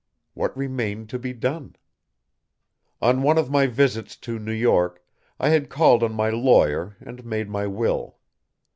What remained to be done? On one of my visits to New York, I had called on my lawyer and made my will.